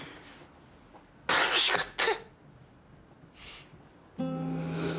楽しかった。